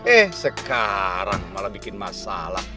eh sekarang malah bikin masalah